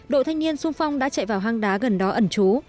đội thanh niên sung phong đã chạy vào hang đá gần đó ẩn trú